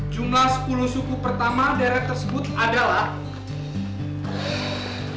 jumlah sepuluh suku pertama deret tersebut adalah